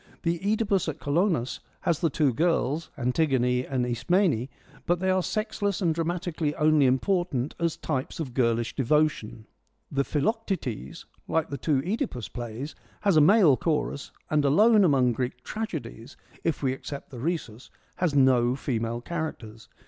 The CEdipus at Colonus has the two girls, Antigone and Ismene, but they are sexless and dramatically only important as types of girlish devotion. The Philoc tetes, like the two CEdipus plays, has a male chorus and alone among Greek tragedies, if we except the Rhesus, has no female characters.